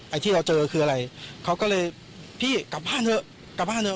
ที่เราเจอคืออะไรเขาก็เลยพี่กลับบ้านเถอะกลับบ้านเถอ